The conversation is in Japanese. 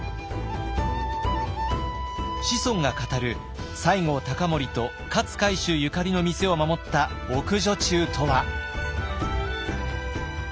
子孫が語る西郷隆盛と勝海舟ゆかりの店を守った奥女中とは。